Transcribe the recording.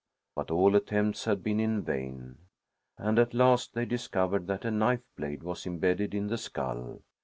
But all attempts had been in vain, and at last they discovered that a knife blade was imbedded in the skull.